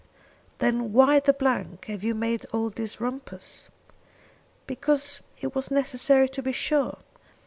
"Then why the d have you made all this rumpus?" "Because it was necessary to be sure.